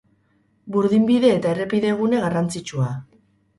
Burdinbide eta errepide gune garrantzitsua.